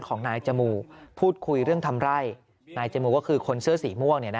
ของนายจมูกพูดคุยเรื่องทำไร่นายจมูก็คือคนเสื้อสีม่วง